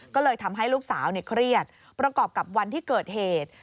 ก็เลยทำให้ลูกสาวเครียดประกอบกับวันที่เกิดเหตุ